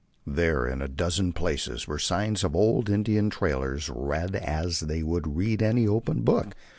There in a dozen places were signs old Indian trailers read as they would read an open book.